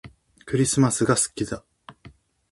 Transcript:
クリスマスが好きだ